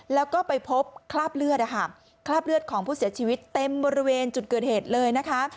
แล้วก็ไปพบคราบเลือดคราบเลือดของผู้เสียชีวิตเต็มบริเวณจุดเกิดเหตุเลยนะคะ